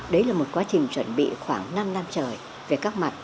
đấy là một quá trình chuẩn bị khoảng năm năm trời về các mặt